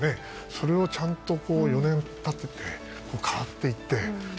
それが、ちゃんと４年経って変わっていって。